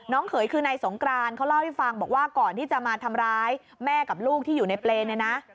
เขยคือนายสงกรานเขาเล่าให้ฟังบอกว่าก่อนที่จะมาทำร้ายแม่กับลูกที่อยู่ในเปรย์เนี่ยนะ